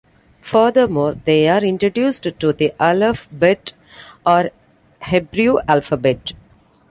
Furthermore, they are introduced to the Aleph-Bet or Hebrew alphabet.